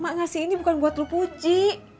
mak ngasih ini bukan buat lo puji